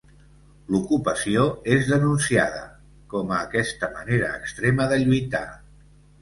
L'ocupació és denunciada, com aquesta manera extrema de lluitar.